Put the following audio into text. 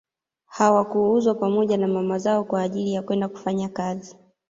Hawakuuzwa pamoja na mama zao kwa ajili ya kwenda kufanya kazi